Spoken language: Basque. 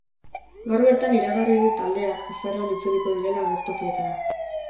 Gaur bertan iragarri du taldeak azaroan itzuliko direla agertokietara.